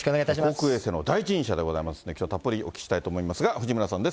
口腔衛生の第一人者でございます、きょうはたっぷりお聞きしたいと思いますが、藤村さんです。